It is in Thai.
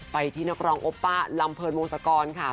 ไปที่นักร้องโอป้าลำเนินวงศกรค่ะ